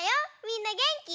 みんなげんき？